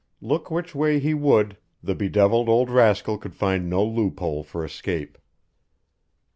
Look which way he would, the bedevilled old rascal could find no loophole for escape.